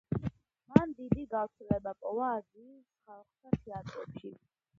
მან დიდი გავრცელება პოვა აზიის ხალხთა თეატრებში.